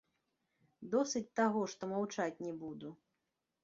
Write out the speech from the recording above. Досыць таго, што маўчаць не буду.